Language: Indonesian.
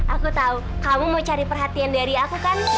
aku tahu kamu mau cari perhatian dari aku kan